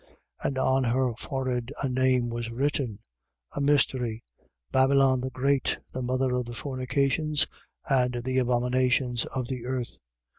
17:5. And on her forehead a name was written: A mystery: Babylon the great, the mother of the fornications and the abominations of the earth.